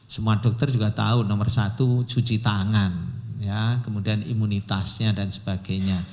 semua dokter juga tahu nomor satu cuci tangan kemudian imunitasnya dan sebagainya